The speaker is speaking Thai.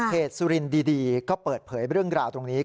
สุรินดีก็เปิดเผยเรื่องราวตรงนี้